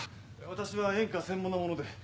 私は演歌専門なもので。